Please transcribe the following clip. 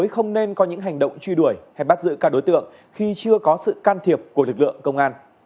không nên có những hành động truy đuổi hay bắt giữ các đối tượng khi chưa có sự can thiệp của lực lượng công an